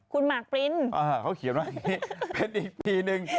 คุณหมากปริ้นเขาเขียนว่าเป็นอีกปีหนึ่ง